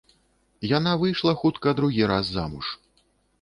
Яна выйшла хутка другі раз замуж.